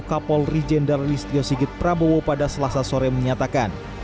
kapolri jenderalist yosigit prabowo pada selasa sore menyatakan